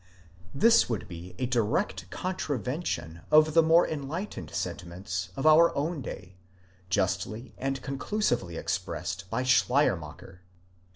'This would be a direct contravention of the more enlightened sentiments of our own day, justly and conclusively expressed by Schleiermacher.